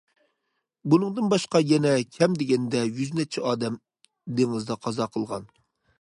بۇنىڭدىن باشقا يەنە كەم دېگەندە يۈز نەچچە ئادەم دېڭىزدا قازا قىلغان.